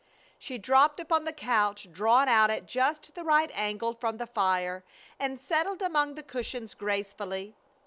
She dropped upon the couch drawn out at just the right angle from the fire and settled among the cushions gracefully.